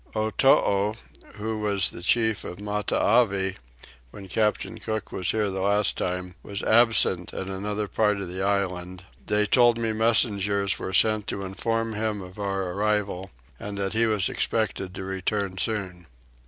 Otoo, who was the chief of Matavai when Captain Cook was here the last time, was absent at another part of the island; they told me messengers were sent to inform him of our arrival, and that he was expected to return soon.